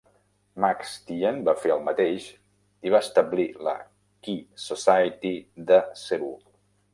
Max Tian va fer el mateix i va establir la Ki Society de Cebu.